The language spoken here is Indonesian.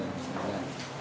ya terbesar umroh